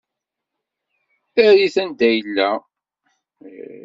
Err-it anda yella.